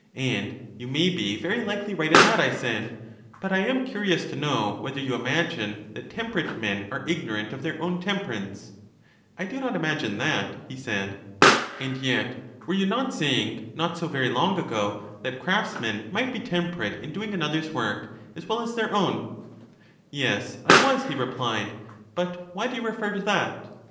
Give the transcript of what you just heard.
And you may be very likely right in that, I said; but I am curious to know whether you imagine that temperate men are ignorant of their own temper ance? I do not imagine that, he said. And yet were you not saying, not so very long ago, that craftsmen might be temperate in doing another's work, as well as their crwn? Yes, I was, lie replied; but why do you refer to that?